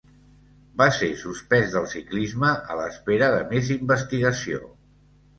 Va ser suspès del ciclisme a l'espera de més investigació.